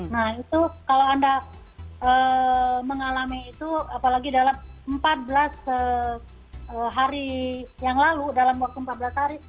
nah itu kalau anda mengalami itu apalagi dalam empat belas hari yang lalu dalam waktu empat belas hari